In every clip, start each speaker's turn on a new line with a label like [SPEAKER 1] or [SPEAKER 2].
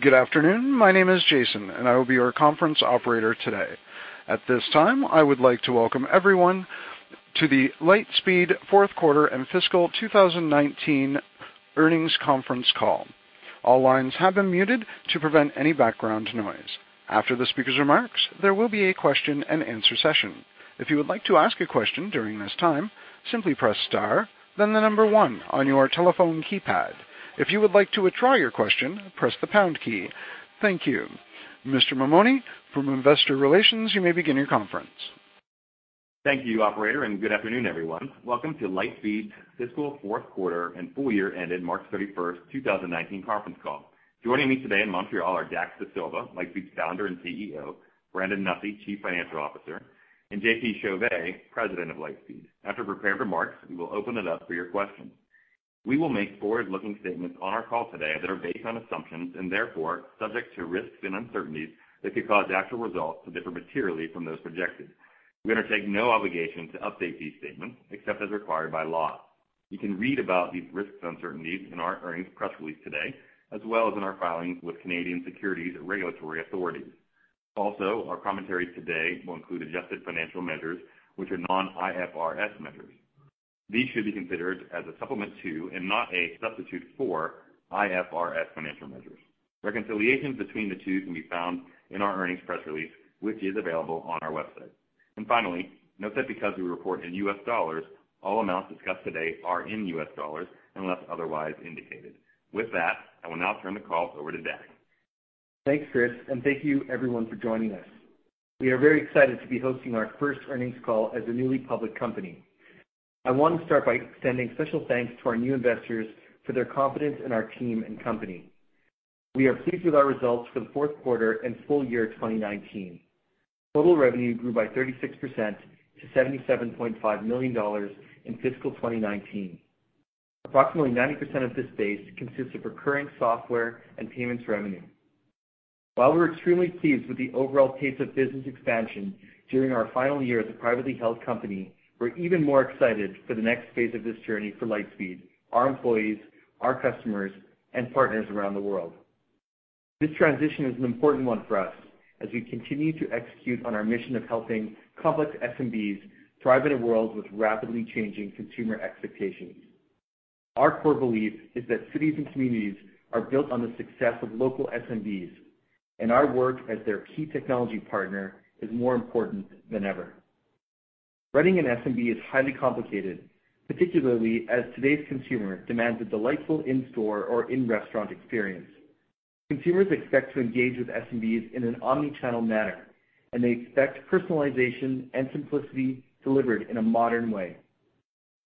[SPEAKER 1] Good afternoon. My name is Jason, and I will be your conference operator today. At this time, I would like to welcome everyone to the Lightspeed fourth quarter and fiscal 2019 earnings conference call. All lines have been muted to prevent any background noise. After the speaker's remarks, there will be a question and answer session. If you would like to ask a question during this time, simply press star, then the number 1 on your telephone keypad. If you would like to withdraw your question, press the pound key. Thank you. Mr. Mammone from Investor Relations, you may begin your conference.
[SPEAKER 2] Thank you, operator. Good afternoon, everyone. Welcome to Lightspeed's fiscal fourth quarter and full year ended March 31st, 2019 conference call. Joining me today in Montreal are Dax Dasilva, Lightspeed's Founder and Chief Executive Officer, Brandon Nussey, Chief Financial Officer, and JP Chauvet, President of Lightspeed. After prepared remarks, we will open it up for your questions. We will make forward-looking statements on our call today that are based on assumptions and therefore subject to risks and uncertainties that could cause actual results to differ materially from those projected. We undertake no obligation to update these statements except as required by law. You can read about these risks and uncertainties in our earnings press release today, as well as in our filings with Canadian securities regulatory authorities. Also, our commentaries today will include adjusted financial measures, which are non-IFRS measures. These should be considered as a supplement to and not a substitute for IFRS financial measures. Reconciliations between the two can be found in our earnings press release, which is available on our website. Finally, note that because we report in US dollars, all amounts discussed today are in US dollars unless otherwise indicated. With that, I will now turn the call over to Dax.
[SPEAKER 3] Thanks, Chris. Thank you everyone for joining us. We are very excited to be hosting our first earnings call as a newly public company. I want to start by extending special thanks to our new investors for their confidence in our team and company. We are pleased with our results for the fourth quarter and full year 2019. Total revenue grew by 36% to $77.5 million in fiscal 2019. Approximately 90% of this base consists of recurring software and payments revenue. While we're extremely pleased with the overall pace of business expansion during our final year as a privately held company, we're even more excited for the next phase of this journey for Lightspeed, our employees, our customers, and partners around the world. This transition is an important one for us as we continue to execute on our mission of helping complex SMBs thrive in a world with rapidly changing consumer expectations. Our core belief is that cities and communities are built on the success of local SMBs, and our work as their key technology partner is more important than ever. Running an SMB is highly complicated, particularly as today's consumer demands a delightful in-store or in-restaurant experience. Consumers expect to engage with SMBs in an omnichannel manner, and they expect personalization and simplicity delivered in a modern way.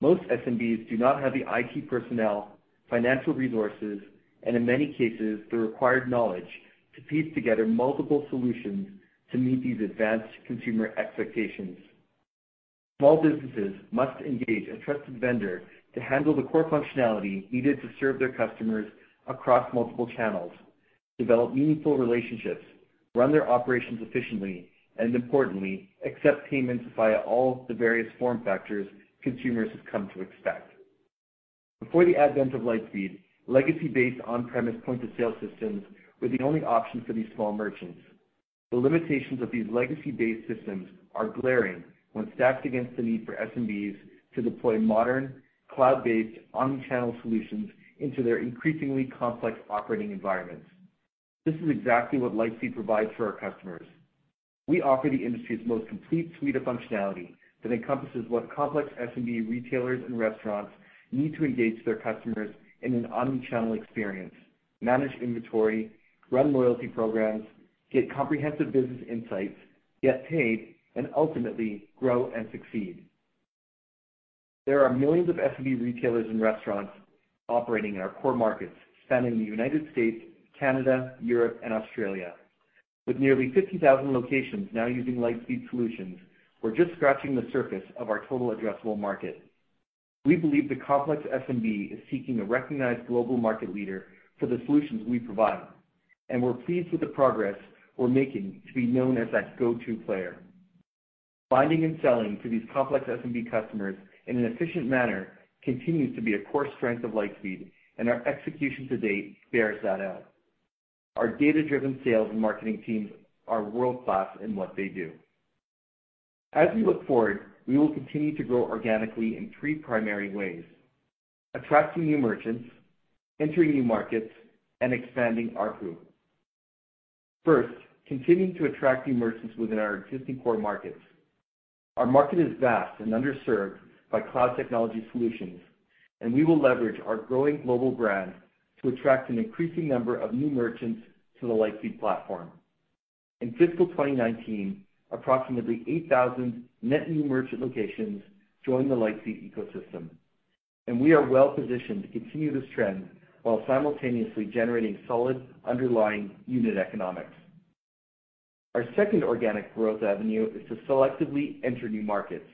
[SPEAKER 3] Most SMBs do not have the IT personnel, financial resources, and in many cases, the required knowledge to piece together multiple solutions to meet these advanced consumer expectations. Small businesses must engage a trusted vendor to handle the core functionality needed to serve their customers across multiple channels, develop meaningful relationships, run their operations efficiently, and importantly, accept payments via all the various form factors consumers have come to expect. Before the advent of Lightspeed, legacy-based on-premise point-of-sale systems were the only option for these small merchants. The limitations of these legacy-based systems are glaring when stacked against the need for SMBs to deploy modern, cloud-based, omnichannel solutions into their increasingly complex operating environments. This is exactly what Lightspeed provides for our customers. We offer the industry's most complete suite of functionality that encompasses what complex SMB retailers and restaurants need to engage their customers in an omnichannel experience, manage inventory, run loyalty programs, get comprehensive business insights, get paid, and ultimately grow and succeed. There are millions of SMB retailers and restaurants operating in our core markets spanning the United States, Canada, Europe, and Australia. With nearly 50,000 locations now using Lightspeed solutions, we're just scratching the surface of our total addressable market. We believe the complex SMB is seeking a recognized global market leader for the solutions we provide, and we're pleased with the progress we're making to be known as that go-to player. Finding and selling to these complex SMB customers in an efficient manner continues to be a core strength of Lightspeed, and our execution to date bears that out. Our data-driven sales and marketing teams are world-class in what they do. As we look forward, we will continue to grow organically in three primary ways: attracting new merchants, entering new markets, and expanding ARPU. First, continuing to attract new merchants within our existing core markets. Our market is vast and underserved by cloud technology solutions, and we will leverage our growing global brand to attract an increasing number of new merchants to the Lightspeed platform. In fiscal 2019, approximately 8,000 net new merchant locations joined the Lightspeed ecosystem, and we are well positioned to continue this trend while simultaneously generating solid underlying unit economics. Our second organic growth avenue is to selectively enter new markets.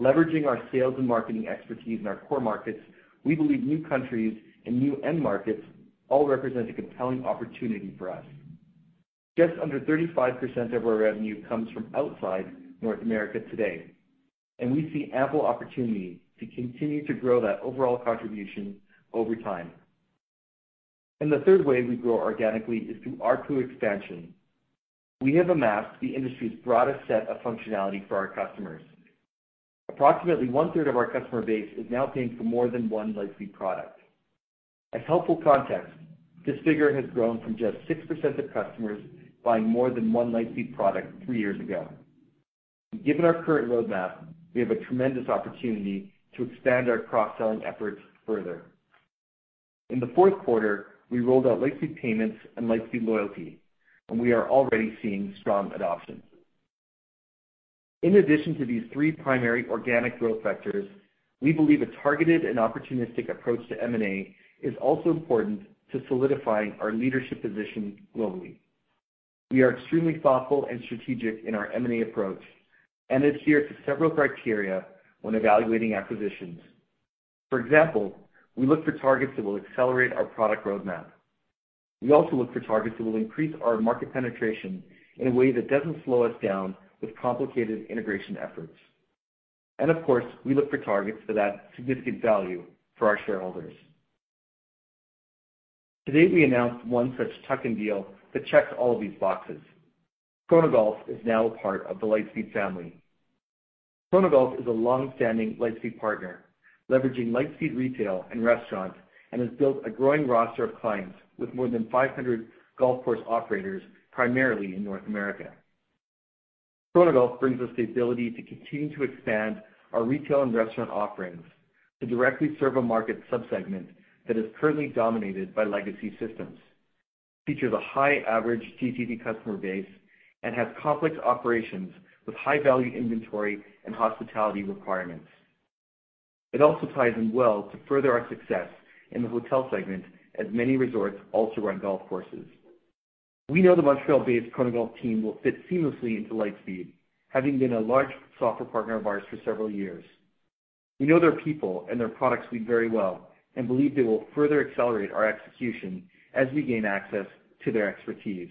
[SPEAKER 3] Leveraging our sales and marketing expertise in our core markets, we believe new countries and new end markets all represent a compelling opportunity for us. Just under 35% of our revenue comes from outside North America today, and we see ample opportunity to continue to grow that overall contribution over time. The third way we grow organically is through ARPU expansion. We have amassed the industry's broadest set of functionality for our customers. Approximately one-third of our customer base is now paying for more than one Lightspeed product. As helpful context, this figure has grown from just 6% of customers buying more than one Lightspeed product three years ago. Given our current roadmap, we have a tremendous opportunity to expand our cross-selling efforts further. In the fourth quarter, we rolled out Lightspeed Payments and Lightspeed Loyalty, and we are already seeing strong adoption. In addition to these three primary organic growth vectors, we believe a targeted and opportunistic approach to M&A is also important to solidifying our leadership position globally. We are extremely thoughtful and strategic in our M&A approach and adhere to several criteria when evaluating acquisitions. For example, we look for targets that will accelerate our product roadmap. We also look for targets that will increase our market penetration in a way that doesn't slow us down with complicated integration efforts. Of course, we look for targets that add significant value for our shareholders. Today, we announced one such tuck-in deal that checks all of these boxes. Chronogolf is now a part of the Lightspeed family. Chronogolf is a long-standing Lightspeed partner, leveraging Lightspeed Retail and Lightspeed Restaurant, and has built a growing roster of clients with more than 500 golf course operators, primarily in North America. Chronogolf brings us the ability to continue to expand our retail and restaurant offerings to directly serve a market sub-segment that is currently dominated by legacy systems, features a high average GTV customer base, and has complex operations with high-value inventory and hospitality requirements. It also ties in well to further our success in the hotel segment, as many resorts also run golf courses. We know the Montreal-based Chronogolf team will fit seamlessly into Lightspeed, having been a large software partner of ours for several years. We know their people and their products weave very well and believe they will further accelerate our execution as we gain access to their expertise.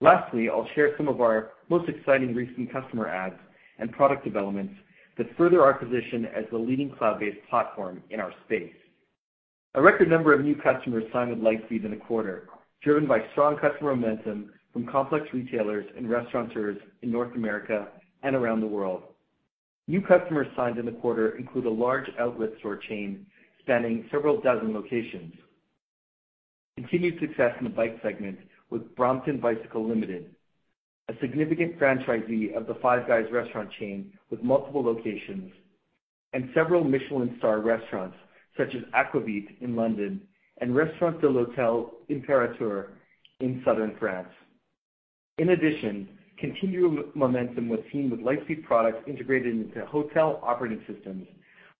[SPEAKER 3] Lastly, I'll share some of our most exciting recent customer adds and product developments that further our position as the leading cloud-based platform in our space. A record number of new customers signed with Lightspeed in the quarter, driven by strong customer momentum from complex retailers and restaurateurs in North America and around the world. New customers signed in the quarter include a large outlet store chain spanning several dozen locations. Continued success in the bike segment with Brompton Bicycle Limited, a significant franchisee of the Five Guys restaurant chain with multiple locations, and several Michelin-star restaurants, such as Aquavit in London and Maison Albar - L'Imperator in Southern France. In addition, continued momentum was seen with Lightspeed products integrated into hotel operating systems,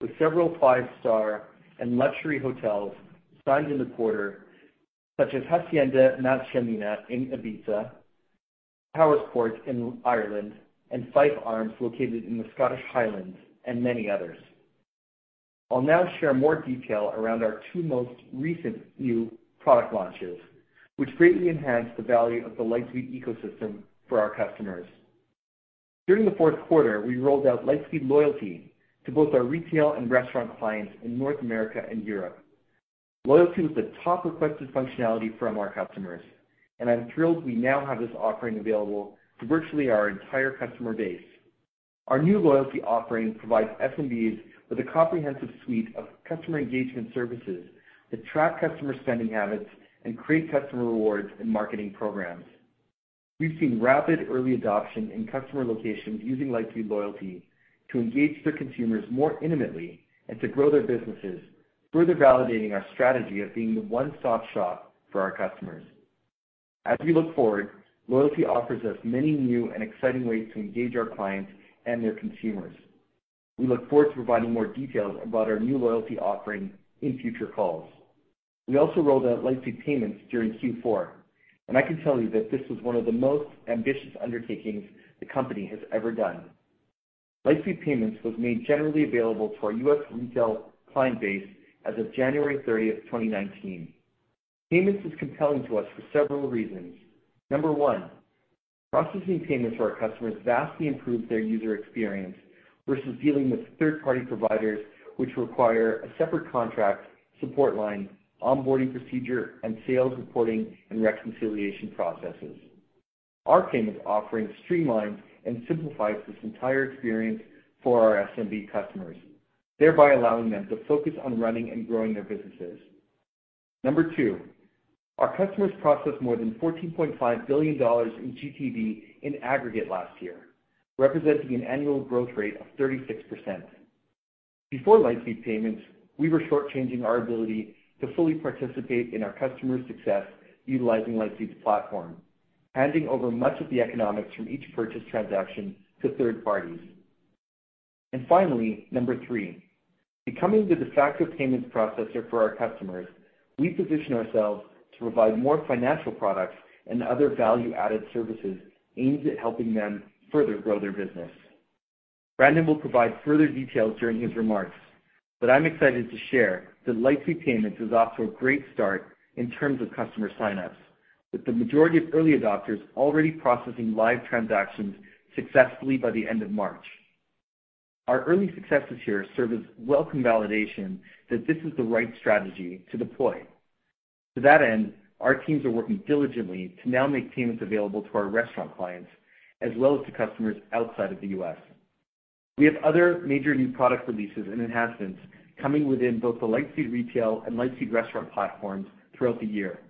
[SPEAKER 3] with several five-star and luxury hotels signed in the quarter, such as Hacienda Na Xamena in Ibiza, Powerscourt in Ireland, and Fife Arms located in the Scottish Highlands, and many others. I'll now share more detail around our two most recent new product launches, which greatly enhance the value of the Lightspeed ecosystem for our customers. During the fourth quarter, we rolled out Lightspeed Loyalty to both our retail and restaurant clients in North America and Europe. Loyalty was the top requested functionality from our customers, and I'm thrilled we now have this offering available to virtually our entire customer base. Our new Lightspeed Loyalty offering provides SMBs with a comprehensive suite of customer engagement services that track customer spending habits and create customer rewards and marketing programs. We've seen rapid early adoption in customer locations using Lightspeed Loyalty to engage their consumers more intimately and to grow their businesses, further validating our strategy of being the one-stop shop for our customers. As we look forward, Lightspeed Loyalty offers us many new and exciting ways to engage our clients and their consumers. We look forward to providing more details about our new Lightspeed Loyalty offering in future calls. We also rolled out Lightspeed Payments during Q4, and I can tell you that this was one of the most ambitious undertakings the company has ever done. Lightspeed Payments was made generally available to our U.S. retail client base as of January 30th, 2019. Lightspeed Payments is compelling to us for several reasons. Number one, processing payments for our customers vastly improves their user experience versus dealing with third-party providers, which require a separate contract, support line, onboarding procedure, and sales reporting and reconciliation processes. Our Lightspeed Payments offering streamlines and simplifies this entire experience for our SMB customers, thereby allowing them to focus on running and growing their businesses. Number two, our customers processed more than $14.5 billion in GTV in aggregate last year, representing an annual growth rate of 36%. Before Lightspeed Payments, we were short-changing our ability to fully participate in our customers' success utilizing Lightspeed's platform, handing over much of the economics from each purchase transaction to third parties. Finally, number three, becoming the de facto Lightspeed Payments processor for our customers, we position ourselves to provide more financial products and other value-added services aimed at helping them further grow their business. Brandon will provide further details during his remarks, but I'm excited to share that Lightspeed Payments is off to a great start in terms of customer sign-ups, with the majority of early adopters already processing live transactions successfully by the end of March. Our early successes here serve as welcome validation that this is the right strategy to deploy. To that end, our teams are working diligently to now make Lightspeed Payments available to our restaurant clients, as well as to customers outside of the U.S. We have other major new product releases and enhancements coming within both the Lightspeed Retail and Lightspeed Restaurant platforms throughout the year.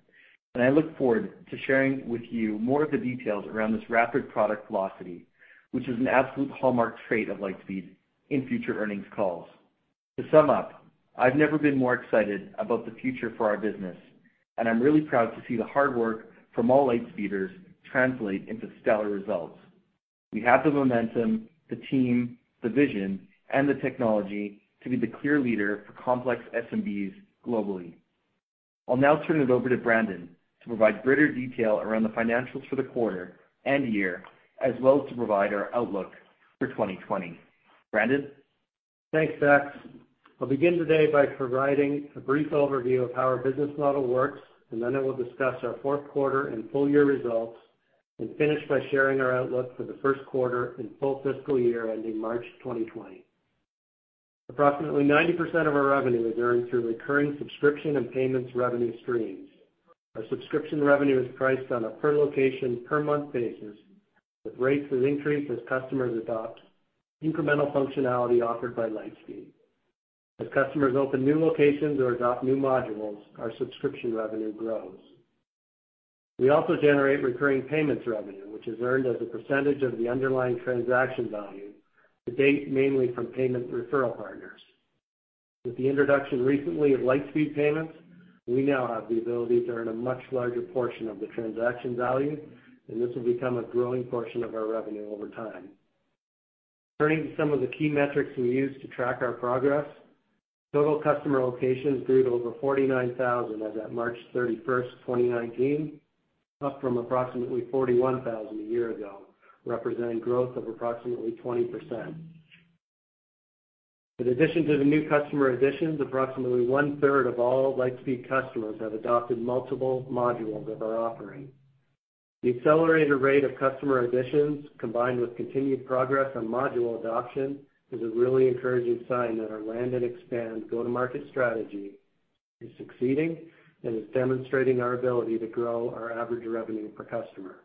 [SPEAKER 3] I look forward to sharing with you more of the details around this rapid product velocity, which is an absolute hallmark trait of Lightspeed in future earnings calls. To sum up, I've never been more excited about the future for our business, and I'm really proud to see the hard work from all Lightspeeders translate into stellar results. We have the momentum, the team, the vision, and the technology to be the clear leader for complex SMBs globally. I'll now turn it over to Brandon to provide greater detail around the financials for the quarter and year, as well as to provide our outlook for 2020. Brandon?
[SPEAKER 4] Thanks, Dax. I will begin today by providing a brief overview of how our business model works, then I will discuss our fourth quarter and full fiscal year ending March 2020 results, and finish by sharing our outlook for the first quarter and full fiscal year ending March 2020. Approximately 90% of our revenue is earned through recurring subscription and payments revenue streams. Our subscription revenue is priced on a per-location, per-month basis, with rates that increase as customers adopt incremental functionality offered by Lightspeed. As customers open new locations or adopt new modules, our subscription revenue grows. We also generate recurring payments revenue, which is earned as a percentage of the underlying transaction value, to date, mainly from payment referral partners. With the introduction recently of Lightspeed Payments, we now have the ability to earn a much larger portion of the transaction value, and this will become a growing portion of our revenue over time. Turning to some of the key metrics we use to track our progress, total customer locations grew to over 49,000 as at March 31st, 2019, up from approximately 41,000 a year ago, representing growth of approximately 20%. In addition to the new customer additions, approximately one-third of all Lightspeed customers have adopted multiple modules of our offering. The accelerated rate of customer additions, combined with continued progress on module adoption, is a really encouraging sign that our land and expand go-to-market strategy is succeeding and is demonstrating our ability to grow our average revenue per customer.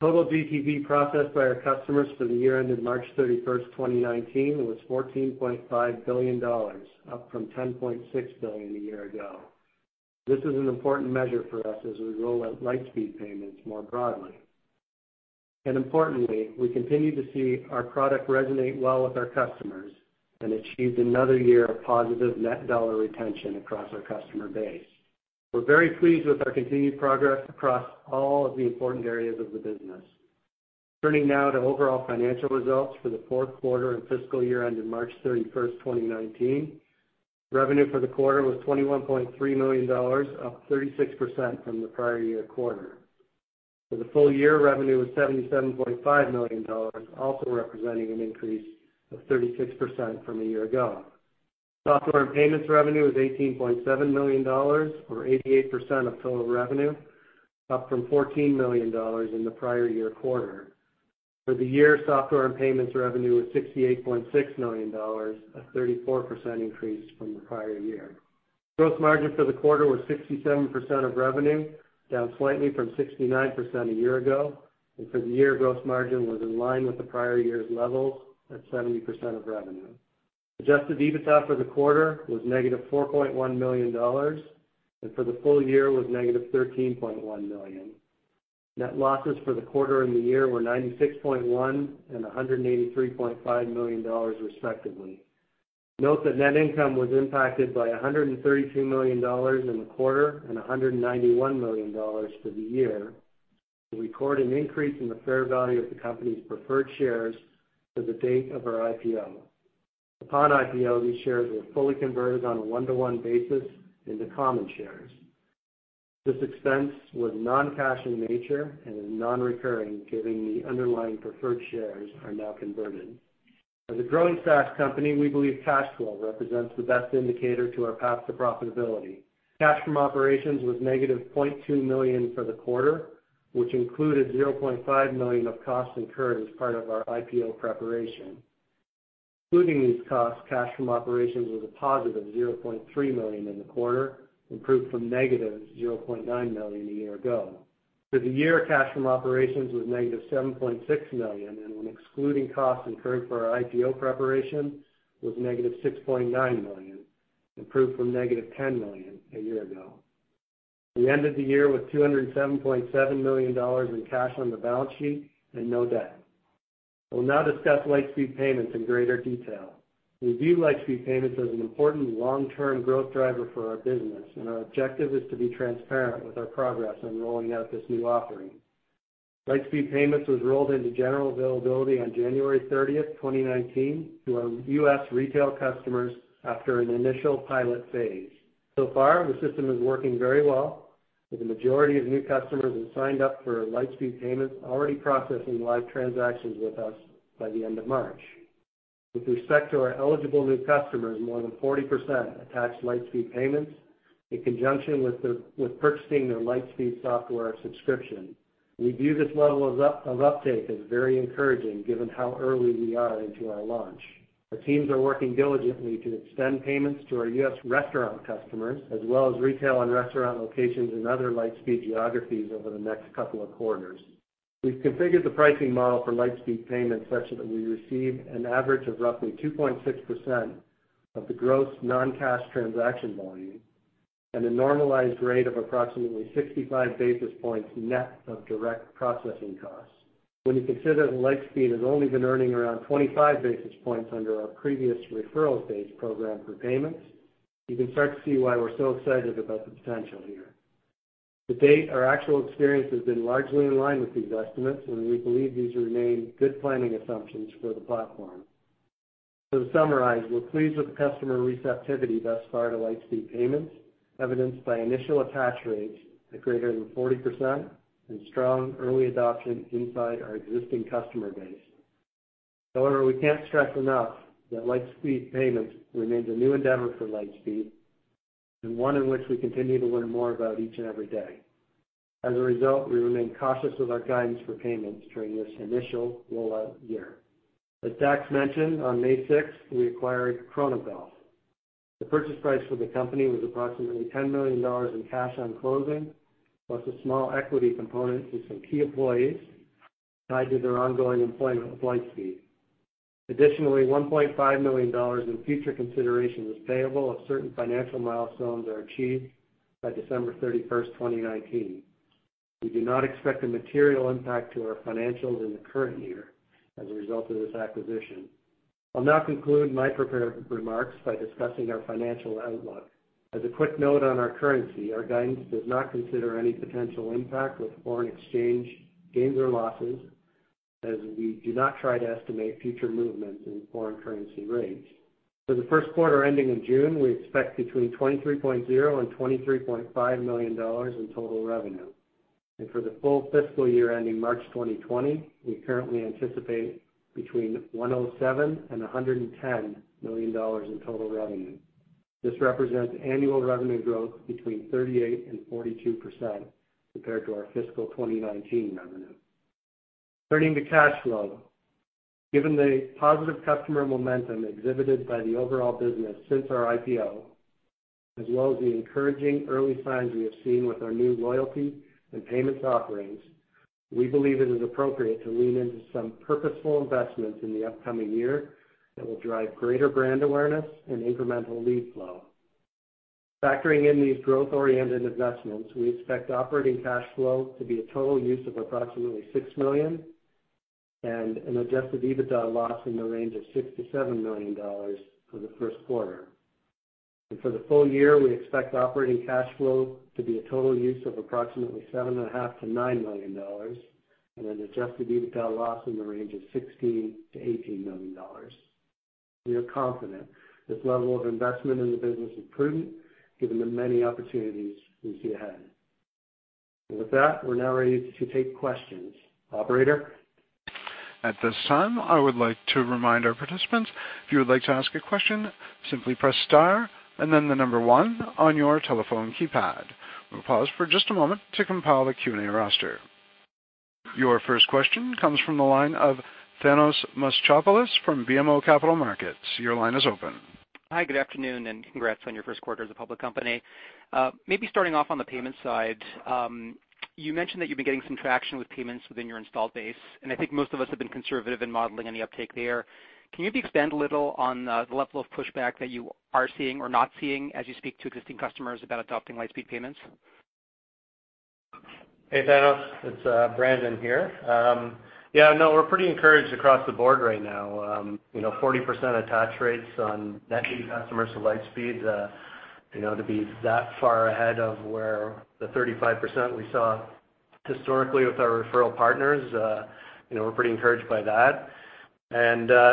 [SPEAKER 4] Total GTV processed by our customers for the year ended March 31st, 2019, was $14.5 billion, up from $10.6 billion a year ago. This is an important measure for us as we roll out Lightspeed Payments more broadly. Importantly, we continue to see our product resonate well with our customers and achieved another year of positive Net Dollar Retention across our customer base. We are very pleased with our continued progress across all of the important areas of the business. Turning now to overall financial results for the fourth quarter and fiscal year ended March 31st, 2019. Revenue for the quarter was $21.3 million, up 36% from the prior year quarter. For the full year, revenue was $77.5 million, also representing an increase of 36% from a year ago. Software and payments revenue was $18.7 million, or 88% of total revenue, up from $14 million in the prior year quarter. For the year, software and payments revenue was $68.6 million, a 34% increase from the prior year. Gross margin for the quarter was 67% of revenue, down slightly from 69% a year ago. For the year, gross margin was in line with the prior year's levels at 70% of revenue. Adjusted EBITDA for the quarter was negative $4.1 million and for the full year was negative $13.1 million. Net losses for the quarter and the year were $96.1 million and $183.5 million, respectively. Note that net income was impacted by $132 million in the quarter and $191 million for the year. We record an increase in the fair value of the company's preferred shares for the date of our IPO. Upon IPO, these shares were fully converted on a one-to-one basis into common shares. This expense was non-cash in nature and is non-recurring, given the underlying preferred shares are now converted. As a growing SaaS company, we believe cash flow represents the best indicator to our path to profitability. Cash from operations was negative $0.2 million for the quarter, which included $0.5 million of costs incurred as part of our IPO preparation. Excluding these costs, cash from operations was a positive $0.3 million in the quarter, improved from negative $0.9 million a year ago. For the year, cash from operations was negative $7.6 million, and when excluding costs incurred for our IPO preparation, was negative $6.9 million, improved from negative $10 million a year ago. We ended the year with $207.7 million in cash on the balance sheet and no debt. We'll now discuss Lightspeed Payments in greater detail. We view Lightspeed Payments as an important long-term growth driver for our business, and our objective is to be transparent with our progress on rolling out this new offering. Lightspeed Payments was rolled into general availability on January 30th, 2019, to our U.S. retail customers after an initial pilot phase. So far, the system is working very well. With the majority of new customers who signed up for Lightspeed Payments already processing live transactions with us by the end of March. With respect to our eligible new customers, more than 40% attached Lightspeed Payments in conjunction with purchasing their Lightspeed software subscription. We view this level of uptake as very encouraging given how early we are into our launch. Our teams are working diligently to extend payments to our U.S. restaurant customers, as well as retail and restaurant locations in other Lightspeed geographies over the next couple of quarters. We've configured the pricing model for Lightspeed Payments such that we receive an average of roughly 2.6% of the gross non-cash transaction volume and a normalized rate of approximately 65 basis points net of direct processing costs. When you consider that Lightspeed has only been earning around 25 basis points under our previous referral-based program for payments, you can start to see why we're so excited about the potential here. To date, our actual experience has been largely in line with these estimates, and we believe these remain good planning assumptions for the platform. To summarize, we're pleased with the customer receptivity thus far to Lightspeed Payments, evidenced by initial attach rates at greater than 40% and strong early adoption inside our existing customer base. We can't stress enough that Lightspeed Payments remains a new endeavor for Lightspeed, and one in which we continue to learn more about each and every day. As a result, we remain cautious with our guidance for payments during this initial rollout year. As Dax mentioned, on May 6th, we acquired Chronogolf. The purchase price for the company was approximately $10 million in cash on closing, plus a small equity component to some key employees tied to their ongoing employment with Lightspeed. Additionally, $1.5 million in future consideration is payable if certain financial milestones are achieved by December 31st, 2019. We do not expect a material impact to our financials in the current year as a result of this acquisition. I'll now conclude my prepared remarks by discussing our financial outlook. As a quick note on our currency, our guidance does not consider any potential impact with foreign exchange gains or losses, as we do not try to estimate future movements in foreign currency rates. For the first quarter ending in June, we expect between $23.0 million-$23.5 million in total revenue. For the full fiscal year ending March 2020, we currently anticipate between $107 million-$110 million in total revenue. This represents annual revenue growth between 38%-42% compared to our fiscal 2019 revenue. Turning to cash flow, given the positive customer momentum exhibited by the overall business since our IPO, as well as the encouraging early signs we have seen with our new loyalty and payments offerings, we believe it is appropriate to lean into some purposeful investments in the upcoming year that will drive greater brand awareness and incremental lead flow. Factoring in these growth-oriented investments, we expect operating cash flow to be a total use of approximately $6 million and an adjusted EBITDA loss in the range of $6 million-$7 million for the first quarter. For the full year, we expect operating cash flow to be a total use of approximately $7.5 million-$9 million and an adjusted EBITDA loss in the range of $16 million-$18 million. We are confident this level of investment in the business is prudent given the many opportunities we see ahead. With that, we're now ready to take questions. Operator?
[SPEAKER 1] At this time, I would like to remind our participants, if you would like to ask a question, simply press star and then the number one on your telephone keypad. We'll pause for just a moment to compile the Q&A roster. Your first question comes from the line of Thanos Moschopoulos from BMO Capital Markets. Your line is open.
[SPEAKER 5] Hi, good afternoon, congrats on your first quarter as a public company. Maybe starting off on the payments side. You mentioned that you've been getting some traction with payments within your installed base, and I think most of us have been conservative in modeling any uptake there. Can you maybe expand a little on the level of pushback that you are seeing or not seeing as you speak to existing customers about adopting Lightspeed Payments?
[SPEAKER 4] Hey, Thanos. It's Brandon here. No, we're pretty encouraged across the board right now. 40% attach rates on net new customers to Lightspeed, to be that far ahead of where the 35% we saw historically with our referral partners, we're pretty encouraged by that.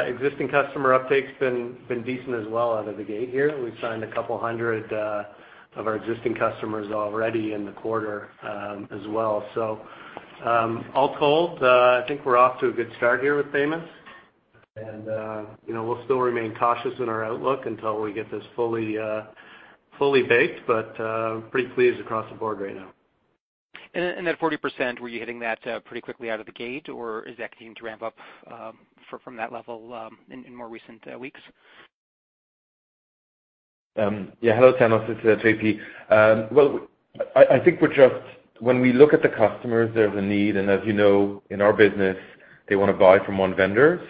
[SPEAKER 4] Existing customer uptake's been decent as well out of the gate here. We've signed a couple of hundred of our existing customers already in the quarter as well. All told, I think we're off to a good start here with payments, and we'll still remain cautious in our outlook until we get this fully baked, but pretty pleased across the board right now.
[SPEAKER 5] That 40%, were you hitting that pretty quickly out of the gate, or is that continuing to ramp up from that level in more recent weeks?
[SPEAKER 6] Hello, Thanos. It's J.P. I think when we look at the customers, there's a need, and as you know, in our business, they want to buy from one vendor.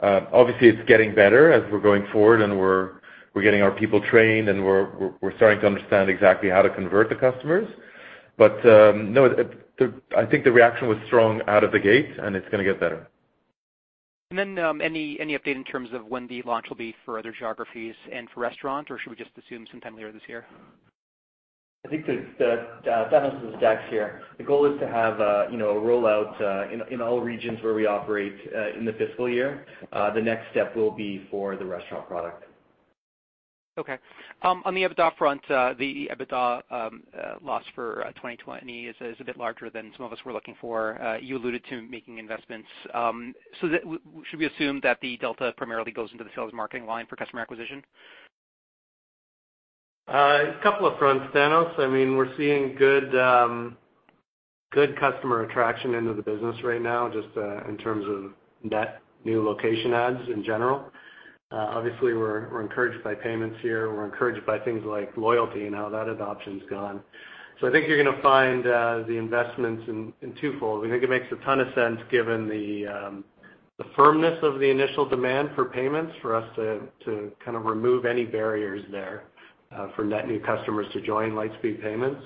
[SPEAKER 6] Obviously, it's getting better as we're going forward and we're getting our people trained and we're starting to understand exactly how to convert the customers. No, I think the reaction was strong out of the gate, and it's going to get better.
[SPEAKER 5] Any update in terms of when the launch will be for other geographies and for restaurant, or should we just assume sometime later this year?
[SPEAKER 3] I think, Thanos, this is Dax here. The goal is to have a rollout in all regions where we operate in the fiscal year. The next step will be for the Lightspeed Restaurant.
[SPEAKER 5] Okay. On the EBITDA front, the EBITDA loss for 2020 is a bit larger than some of us were looking for. You alluded to making investments. Should we assume that the delta primarily goes into the sales and marketing line for customer acquisition?
[SPEAKER 4] A couple of fronts, Thanos. We're seeing good customer attraction into the business right now, just in terms of net new location adds in general. Obviously, we're encouraged by Lightspeed Payments here. We're encouraged by things like Lightspeed Loyalty and how that adoption's gone. I think you're going to find the investments in twofold. We think it makes a ton of sense given the firmness of the initial demand for Lightspeed Payments for us to kind of remove any barriers there for net new customers to join Lightspeed Payments.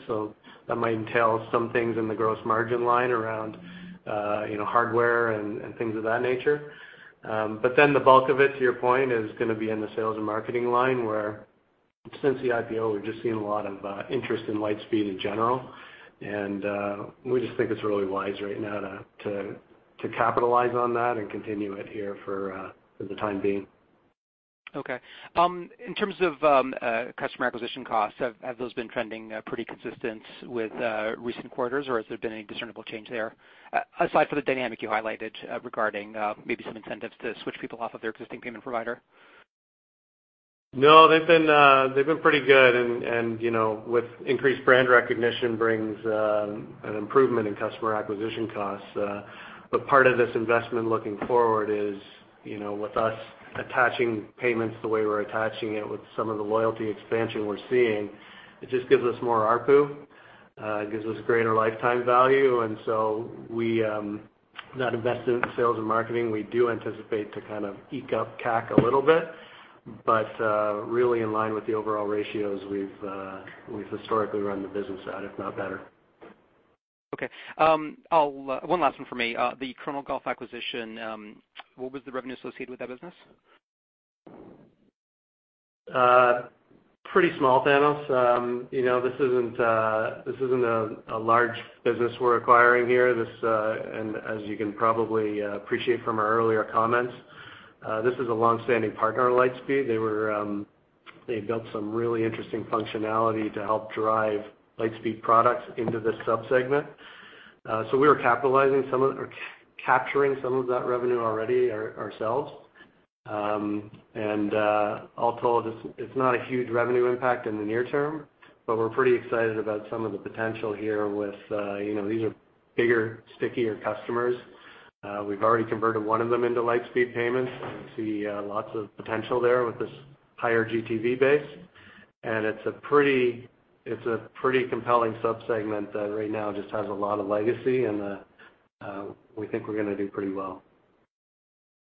[SPEAKER 4] That might entail some things in the gross margin line around hardware and things of that nature. The bulk of it, to your point, is going to be in the sales and marketing line, where since the IPO, we've just seen a lot of interest in Lightspeed in general. We just think it's really wise right now to capitalize on that and continue it here for the time being.
[SPEAKER 5] Okay. In terms of customer acquisition costs, have those been trending pretty consistent with recent quarters, or has there been any discernible change there, aside for the dynamic you highlighted regarding maybe some incentives to switch people off of their existing payment provider?
[SPEAKER 4] No, they've been pretty good and with increased brand recognition brings an improvement in customer acquisition costs. Part of this investment looking forward is, with us attaching Lightspeed Payments the way we're attaching it with some of the Lightspeed Loyalty expansion we're seeing, it just gives us more ARPU. It gives us greater lifetime value. That investment in sales and marketing, we do anticipate to kind of eke up CAC a little bit, but really in line with the overall ratios we've historically run the business at, if not better.
[SPEAKER 5] Okay. One last one from me. The Chronogolf acquisition, what was the revenue associated with that business?
[SPEAKER 4] Pretty small, Thanos. This isn't a large business we're acquiring here. As you can probably appreciate from our earlier comments, this is a longstanding partner at Lightspeed. They built some really interesting functionality to help drive Lightspeed products into this sub-segment. We were capturing some of that revenue already ourselves. All told, it's not a huge revenue impact in the near term, but we're pretty excited about some of the potential here with, these are bigger, stickier customers. We've already converted one of them into Lightspeed Payments and see lots of potential there with this higher GTV base. It's a pretty compelling sub-segment that right now just has a lot of legacy and we think we're going to do pretty well.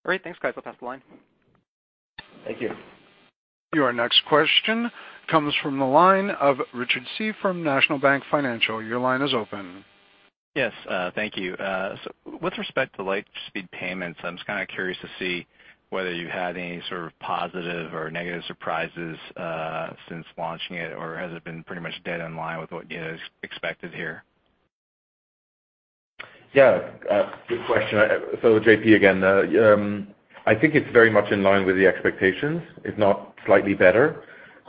[SPEAKER 5] Great. Thanks, guys. I'll pass the line.
[SPEAKER 4] Thank you.
[SPEAKER 1] Your next question comes from the line of Richard Tse from National Bank Financial. Your line is open.
[SPEAKER 7] Yes. Thank you. With respect to Lightspeed Payments, I'm just kind of curious to see whether you had any sort of positive or negative surprises since launching it, or has it been pretty much dead in line with what you guys expected here?
[SPEAKER 6] Yeah. Good question. JP again. I think it's very much in line with the expectations, if not slightly better.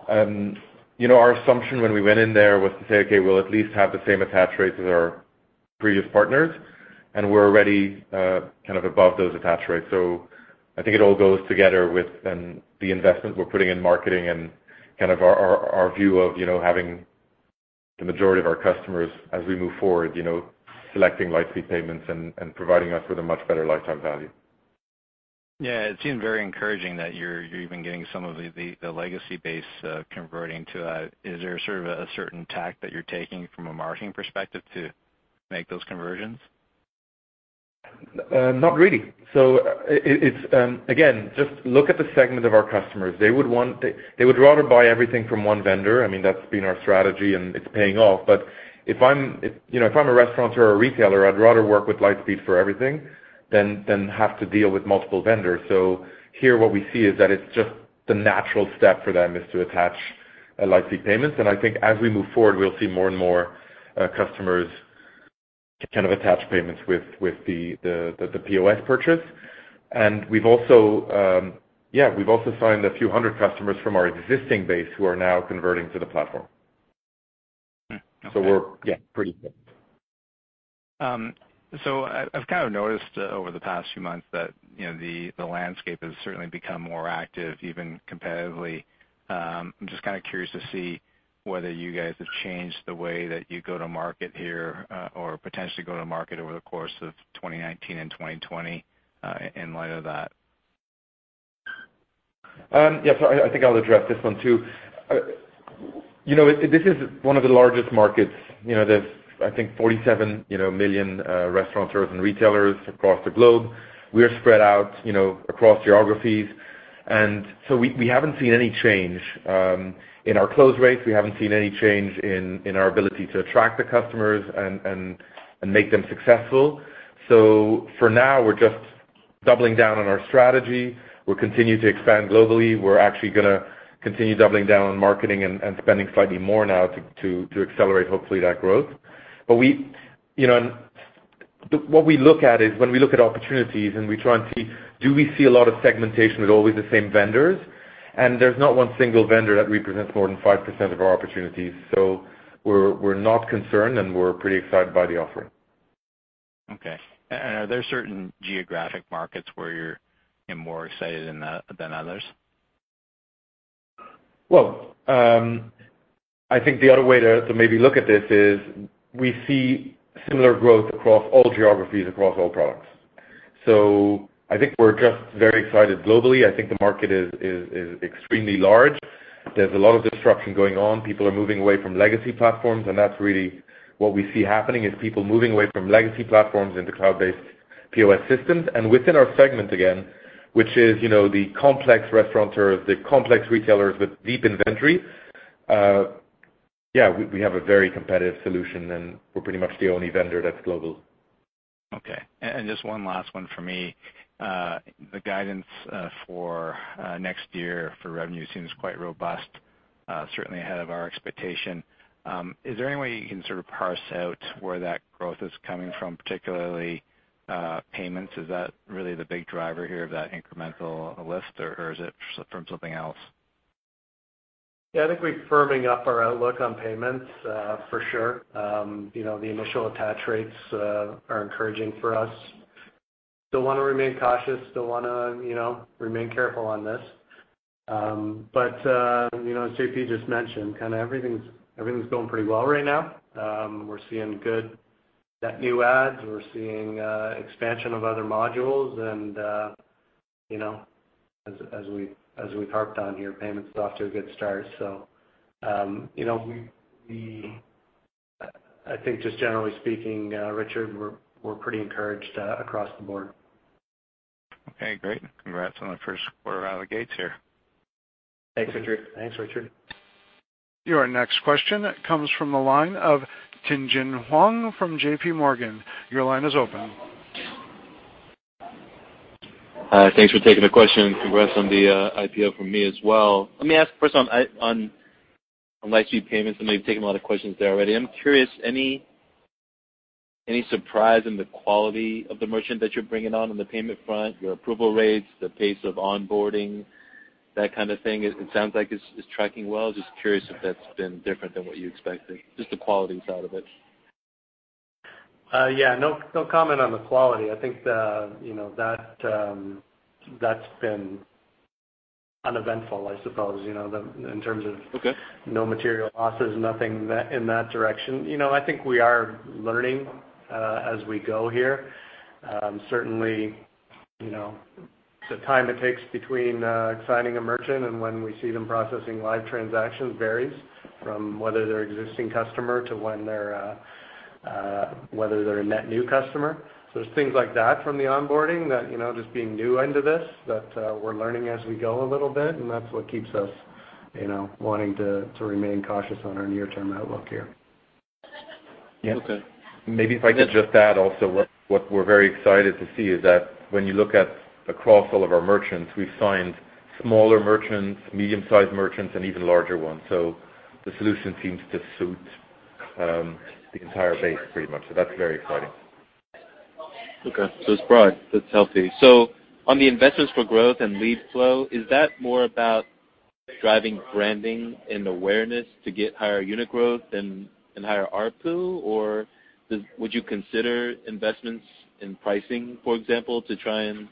[SPEAKER 6] Our assumption when we went in there was to say, "Okay, we'll at least have the same attach rates as our previous partners," and we're already kind of above those attach rates. I think it all goes together with then the investment we're putting in marketing and kind of our view of having the majority of our customers as we move forward selecting Lightspeed Payments and providing us with a much better lifetime value.
[SPEAKER 7] Yeah, it seemed very encouraging that you're even getting some of the legacy base converting to that. Is there a certain tact that you're taking from a marketing perspective to make those conversions?
[SPEAKER 6] Not really. Again, just look at the segment of our customers. They would rather buy everything from one vendor. That's been our strategy, and it's paying off. If I'm a restaurateur or a retailer, I'd rather work with Lightspeed for everything than have to deal with multiple vendors. Here what we see is that it's just the natural step for them is to attach a Lightspeed Payments, and I think as we move forward, we'll see more and more customers kind of attach payments with the POS purchase. We've also signed a few hundred customers from our existing base who are now converting to the platform.
[SPEAKER 7] Okay.
[SPEAKER 6] We're, yeah, pretty.
[SPEAKER 7] I've kind of noticed over the past few months that the landscape has certainly become more active, even competitively. I'm just kind of curious to see whether you guys have changed the way that you go to market here or potentially go to market over the course of 2019 and 2020 in light of that.
[SPEAKER 6] Yeah, I think I'll address this one, too. This is one of the largest markets. There's, I think, 47 million restaurateurs and retailers across the globe. We are spread out across geographies. We haven't seen any change in our close rates. We haven't seen any change in our ability to attract the customers and make them successful. For now, we're just doubling down on our strategy. We'll continue to expand globally. We're actually going to continue doubling down on marketing and spending slightly more now to accelerate, hopefully, that growth. What we look at is when we look at opportunities and we try and see, do we see a lot of segmentation with always the same vendors? There's not one single vendor that represents more than 5% of our opportunities. We're not concerned, and we're pretty excited by the offering.
[SPEAKER 7] Okay. Are there certain geographic markets where you're more excited than others?
[SPEAKER 6] Well, I think the other way to maybe look at this is we see similar growth across all geographies, across all products. I think we're just very excited globally. I think the market is extremely large. There's a lot of disruption going on. People are moving away from legacy platforms, and that's really what we see happening, is people moving away from legacy platforms into cloud-based POS systems. Within our segment, again, which is the complex restaurateurs, the complex retailers with deep inventory, yeah, we have a very competitive solution, and we're pretty much the only vendor that's global.
[SPEAKER 7] Okay. Just one last one from me. The guidance for next year for revenue seems quite robust, certainly ahead of our expectation. Is there any way you can sort of parse out where that growth is coming from, particularly payments? Is that really the big driver here of that incremental lift, or is it from something else?
[SPEAKER 4] Yeah, I think we're firming up our outlook on payments, for sure. The initial attach rates are encouraging for us. Still want to remain cautious, still want to remain careful on this. As JP just mentioned, everything's going pretty well right now. We're seeing good net new adds. We're seeing expansion of other modules and, as we've harped on here, payments is off to a good start. I think just generally speaking, Richard, we're pretty encouraged across the board.
[SPEAKER 7] Okay, great. Congrats on the first quarter out of the gates here.
[SPEAKER 4] Thanks, Richard.
[SPEAKER 6] Thanks, Richard.
[SPEAKER 1] Your next question comes from the line of Tien-Tsin Huang from JPMorgan. Your line is open.
[SPEAKER 8] Thanks for taking the question. Congrats on the IPO from me as well. Let me ask first on Lightspeed Payments, I know you've taken a lot of questions there already. I'm curious, any surprise in the quality of the merchant that you're bringing on the payment front, your approval rates, the pace of onboarding, that kind of thing? It sounds like it's tracking well. Just curious if that's been different than what you expected, just the qualities out of it.
[SPEAKER 4] Yeah. No comment on the quality. I think that's been uneventful, I suppose, in terms of.
[SPEAKER 8] Okay
[SPEAKER 4] no material losses, nothing in that direction. I think we are learning as we go here. Certainly, the time it takes between signing a merchant and when we see them processing live transactions varies from whether they're existing customer to whether they're a net new customer. It's things like that from the onboarding that, just being new into this, that we're learning as we go a little bit, and that's what keeps us wanting to remain cautious on our near-term outlook here.
[SPEAKER 8] Okay.
[SPEAKER 6] Maybe if I could just add also, what we're very excited to see is that when you look at across all of our merchants, we've signed smaller merchants, medium-sized merchants, and even larger ones. The solution seems to suit the entire base pretty much. That's very exciting.
[SPEAKER 8] Okay. It's broad, that's healthy. On the investments for growth and lead flow, is that more about driving branding and awareness to get higher unit growth and higher ARPU? Or would you consider investments in pricing, for example, to try and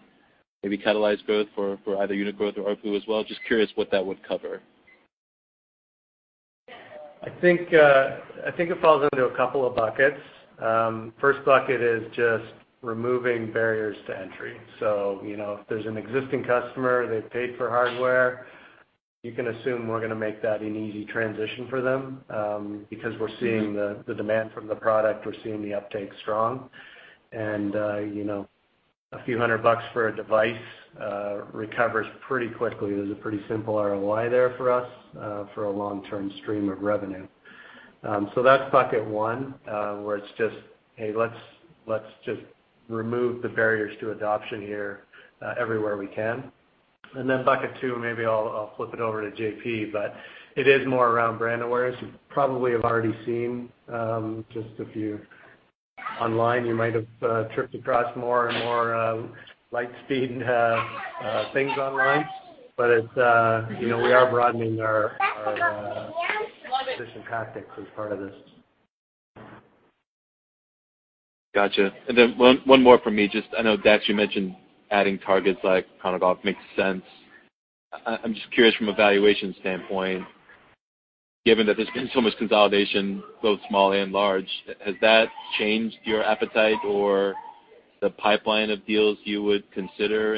[SPEAKER 8] maybe catalyze growth for either unit growth or ARPU as well? Just curious what that would cover.
[SPEAKER 4] I think it falls into a couple of buckets. First bucket is just removing barriers to entry. If there's an existing customer, they've paid for hardware, you can assume we're going to make that an easy transition for them because we're seeing the demand from the product, we're seeing the uptake strong. A few hundred dollars for a device recovers pretty quickly. There's a pretty simple ROI there for us for a long-term stream of revenue. That's bucket one, where it's just, hey, let's just remove the barriers to adoption here everywhere we can. Then bucket two, maybe I'll flip it over to J.P., but it is more around brand awareness. You probably have already seen just a few online. You might have tripped across more and more Lightspeed things online, but we are broadening our acquisition tactics as part of this.
[SPEAKER 8] Got you. One more from me. I know, Dax, you mentioned adding targets like Chronogolf makes sense. I'm just curious from a valuation standpoint, given that there's been so much consolidation, both small and large, has that changed your appetite or the pipeline of deals you would consider?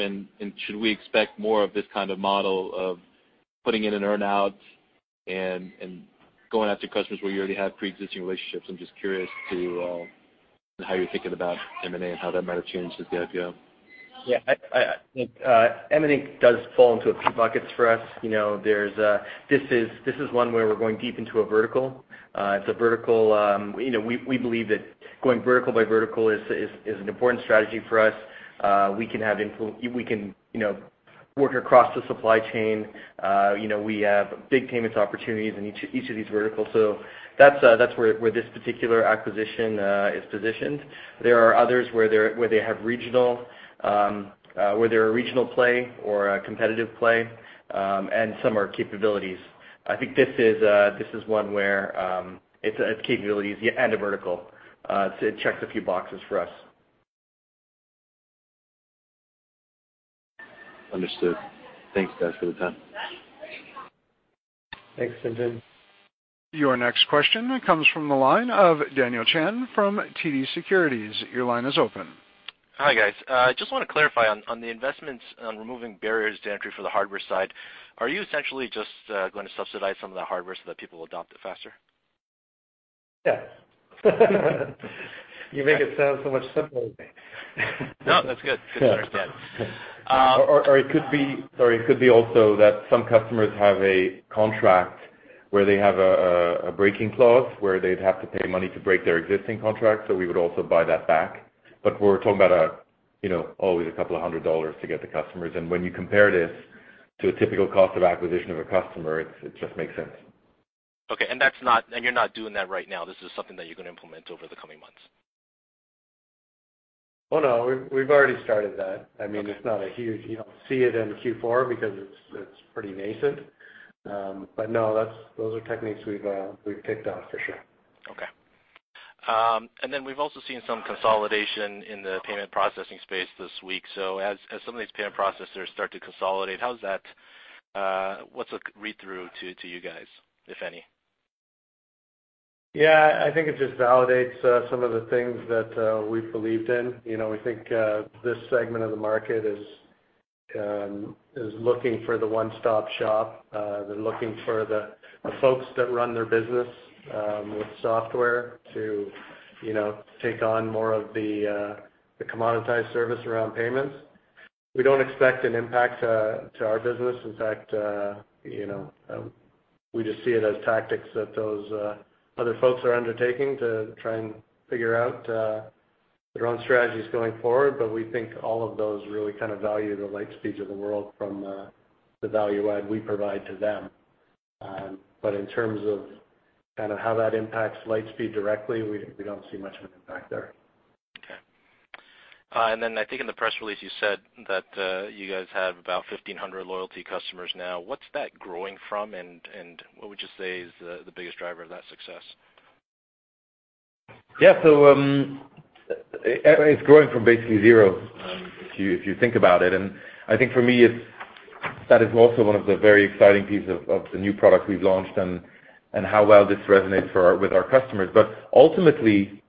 [SPEAKER 8] Should we expect more of this kind of model of putting in an earn-out and going after customers where you already have pre-existing relationships? I'm just curious how you're thinking about M&A and how that might have changed since the IPO.
[SPEAKER 3] Yeah. I think M&A does fall into a few buckets for us. This is one where we're going deep into a vertical. We believe that going vertical by vertical is an important strategy for us. We can work across the supply chain. We have big payments opportunities in each of these verticals. That's where this particular acquisition is positioned. There are others where they have regional, where they're a regional play or a competitive play, and some are capabilities. I think this is one where it's a capabilities and a vertical. It checks a few boxes for us.
[SPEAKER 8] Understood. Thanks, guys, for the time.
[SPEAKER 4] Thanks, Tien-Tsin.
[SPEAKER 1] Your next question comes from the line of Daniel Chan from TD Securities. Your line is open.
[SPEAKER 9] Hi, guys. Just want to clarify on the investments on removing barriers to entry for the hardware side. Are you essentially just going to subsidize some of the hardware so that people adopt it faster?
[SPEAKER 4] Yes. You make it sound so much simpler.
[SPEAKER 9] No, that's good. Good to understand.
[SPEAKER 6] It could be also that some customers have a contract where they have a breaking clause where they'd have to pay money to break their existing contract. We would also buy that back. We're talking about always a couple of hundred dollars to get the customers. When you compare this to a typical cost of acquisition of a customer, it just makes sense.
[SPEAKER 9] Okay. You're not doing that right now, this is something that you're going to implement over the coming months?
[SPEAKER 4] Oh, no. We've already started that. You don't see it in Q4 because it's pretty nascent. No, those are techniques we've picked up for sure.
[SPEAKER 9] Okay. We've also seen some consolidation in the payment processing space this week. As some of these payment processors start to consolidate, what's a read-through to you guys, if any?
[SPEAKER 4] Yeah, I think it just validates some of the things that we've believed in. We think this segment of the market is looking for the one-stop shop. They're looking for the folks that run their business with software to take on more of the commoditized service around payments. We don't expect an impact to our business. In fact, we just see it as tactics that those other folks are undertaking to try and figure out their own strategies going forward. We think all of those really value the Lightspeeds of the world from the value add we provide to them. In terms of how that impacts Lightspeed directly, we don't see much of an impact there.
[SPEAKER 9] Okay. I think in the press release, you said that you guys have about 1,500 Lightspeed Loyalty customers now. What's that growing from? What would you say is the biggest driver of that success?
[SPEAKER 6] Yeah. It's growing from basically zero if you think about it. I think for me, that is also one of the very exciting pieces of the new product we've launched and how well this resonates with our customers. Ultimately,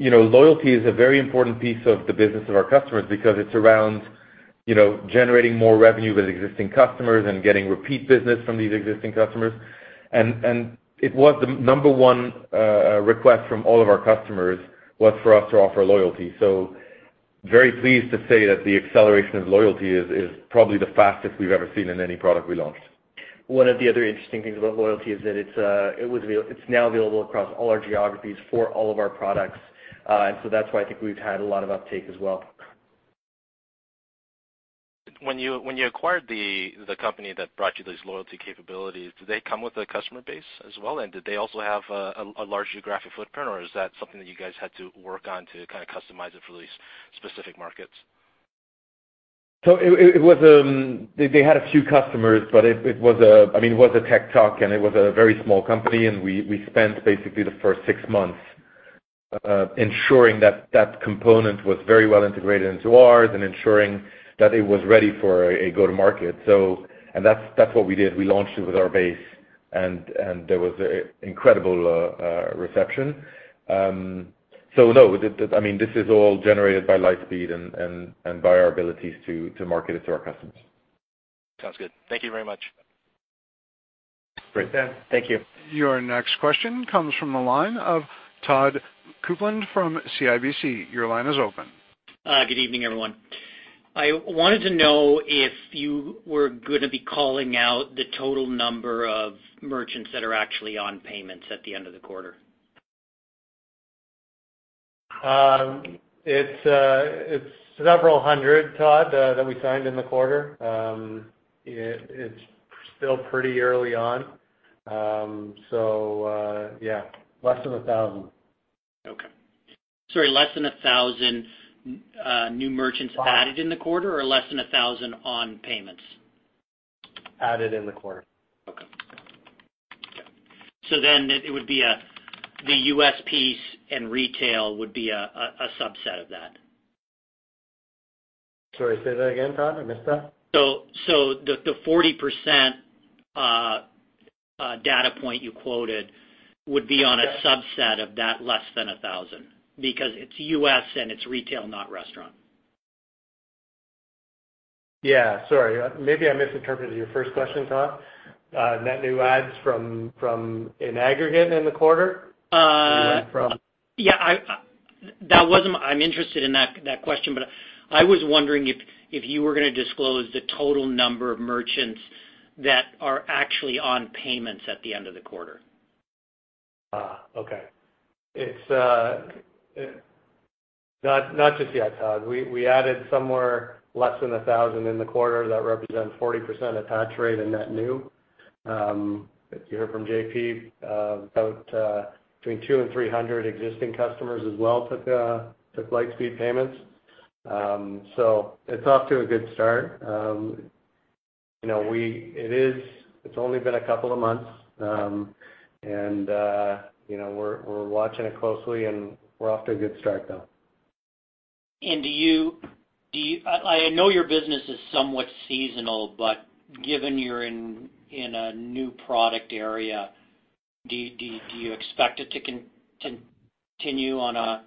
[SPEAKER 6] Lightspeed Loyalty is a very important piece of the business of our customers because it's around generating more revenue with existing customers and getting repeat business from these existing customers. The number one request from all of our customers was for us to offer Lightspeed Loyalty. Very pleased to say that the acceleration of Lightspeed Loyalty is probably the fastest we've ever seen in any product we launched.
[SPEAKER 3] One of the other interesting things about Lightspeed Loyalty is that it's now available across all our geographies for all of our products. That's why I think we've had a lot of uptake as well.
[SPEAKER 9] When you acquired the company that brought you those loyalty capabilities, did they come with a customer base as well, and did they also have a large geographic footprint, or is that something that you guys had to work on to customize it for these specific markets?
[SPEAKER 6] They had a few customers, it was a tech tuck, it was a very small company, we spent basically the first six months ensuring that that component was very well integrated into ours and ensuring that it was ready for a go to market. That's what we did. We launched it with our base, there was incredible reception. No, this is all generated by Lightspeed and by our abilities to market it to our customers.
[SPEAKER 9] Sounds good. Thank you very much.
[SPEAKER 6] Great.
[SPEAKER 3] Dan, thank you.
[SPEAKER 1] Your next question comes from the line of Todd Coupland from CIBC. Your line is open.
[SPEAKER 10] Good evening, everyone. I wanted to know if you were going to be calling out the total number of merchants that are actually on payments at the end of the quarter.
[SPEAKER 4] It's several hundred, Todd, that we signed in the quarter. It's still pretty early on. Yeah, less than a thousand.
[SPEAKER 10] Okay. Sorry, less than a thousand new merchants added in the quarter or less than a thousand on payments?
[SPEAKER 4] Added in the quarter.
[SPEAKER 10] Okay. Got it. It would be the U.S. piece and retail would be a subset of that.
[SPEAKER 4] Sorry, say that again, Todd? I missed that.
[SPEAKER 10] The 40% data point you quoted would be on a subset of that less than 1,000 because it's U.S. and it's retail, not restaurant.
[SPEAKER 4] Yeah. Sorry. Maybe I misinterpreted your first question, Todd. Net new adds from an aggregate in the quarter?
[SPEAKER 10] Yeah. I'm interested in that question, but I was wondering if you were going to disclose the total number of merchants that are actually on payments at the end of the quarter.
[SPEAKER 4] Okay. Not just yet, Todd. We added somewhere less than 1,000 in the quarter. That represents 40% attach rate in net new. If you heard from JP, about between 200 and 300 existing customers as well took Lightspeed Payments. It's off to a good start. It's only been a couple of months, we're watching it closely and we're off to a good start, though.
[SPEAKER 10] I know your business is somewhat seasonal, but given you're in a new product area, do you expect it to continue on a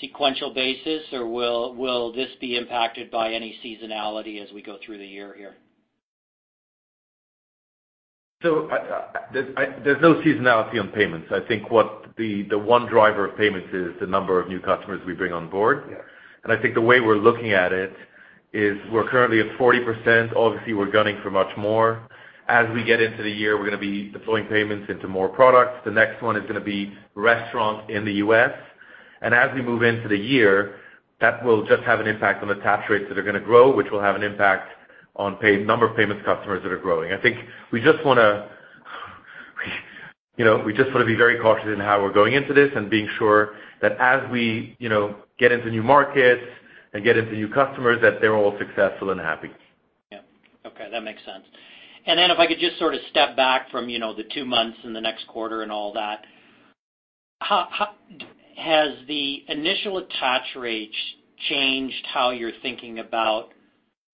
[SPEAKER 10] sequential basis, or will this be impacted by any seasonality as we go through the year here?
[SPEAKER 6] There's no seasonality on payments. I think what the one driver of payments is the number of new customers we bring on board.
[SPEAKER 4] Yes.
[SPEAKER 6] I think the way we're looking at it is we're currently at 40%. Obviously, we're gunning for much more. As we get into the year, we're going to be deploying payments into more products. The next one is going to be restaurants in the U.S., and as we move into the year, that will just have an impact on attach rates that are going to grow, which will have an impact on number of payments customers that are growing. I think we just want to be very cautious in how we're going into this and being sure that as we get into new markets and get into new customers, that they're all successful and happy.
[SPEAKER 10] Yeah. Okay. That makes sense. If I could just sort of step back from the two months and the next quarter and all that, has the initial attach rates changed how you're thinking about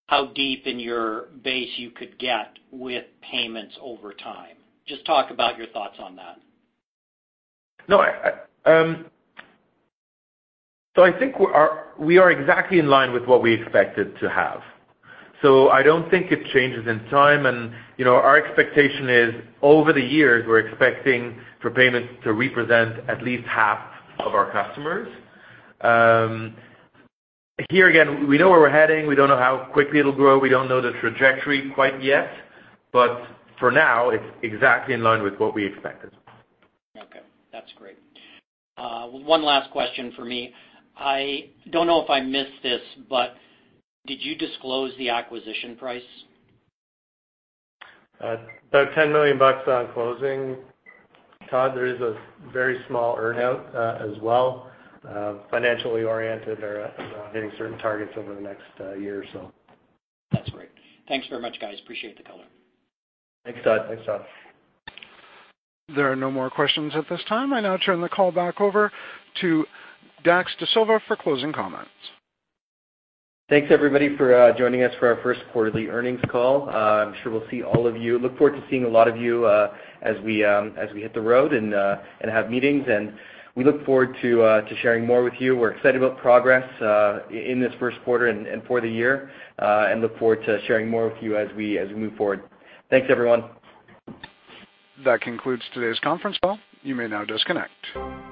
[SPEAKER 10] how deep in your base you could get with payments over time? Just talk about your thoughts on that.
[SPEAKER 6] I think we are exactly in line with what we expected to have. I don't think it changes in time. Our expectation is, over the years, we're expecting for payments to represent at least half of our customers. Here again, we know where we're heading. We don't know how quickly it'll grow. We don't know the trajectory quite yet, but for now, it's exactly in line with what we expected.
[SPEAKER 10] Okay. That's great. One last question from me. I don't know if I missed this, but did you disclose the acquisition price?
[SPEAKER 4] About $10 million on closing, Todd. There is a very small earn-out as well, financially oriented around hitting certain targets over the next year or so.
[SPEAKER 10] That's great. Thanks very much, guys. Appreciate the color.
[SPEAKER 6] Thanks, Todd.
[SPEAKER 4] Thanks, Todd.
[SPEAKER 1] There are no more questions at this time. I now turn the call back over to Dax Dasilva for closing comments.
[SPEAKER 3] Thanks everybody for joining us for our first quarterly earnings call. I'm sure we'll see all of you. Look forward to seeing a lot of you as we hit the road and have meetings, and we look forward to sharing more with you. We're excited about progress in this first quarter and for the year, and look forward to sharing more with you as we move forward. Thanks, everyone.
[SPEAKER 1] That concludes today's conference call. You may now disconnect.